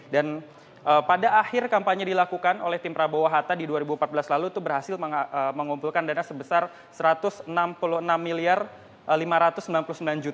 dan pada akhir kampanye dilakukan oleh tim prabowo hatta di dua ribu empat belas lalu itu berhasil mengkumpulkan dana sebesar rp satu ratus enam puluh enam lima ratus sembilan puluh sembilan